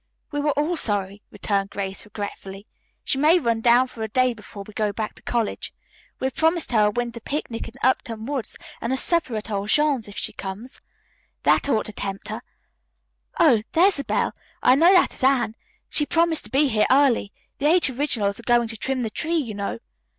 "We were all sorry," returned Grace regretfully. "She may run down for a day before we go back to college. We have promised her a winter picnic in Upton Wood and a supper at old Jean's if she comes. That ought to tempt her. Oh, there's the bell. I know that is Anne! She promised to be here early. The Eight Originals are going to trim the tree, you know."